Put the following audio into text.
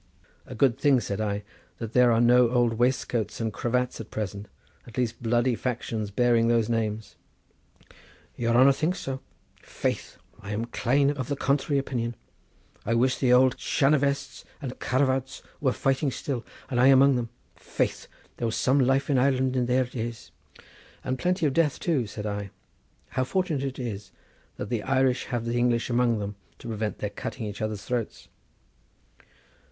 "A good thing," said I, "that there are no Old Waistcoats and Cravats at present, at least bloody factions bearing those names." "Your honour thinks so! Faith! I am clane of a contrary opinion. I wish the ould Shanavests and Caravauts were fighting still; and I among them. Faith! there was some life in Ireland in their days." "And plenty of death too," said I. "How fortunate it is that the Irish have the English among them, to prevent their cutting each other's throats."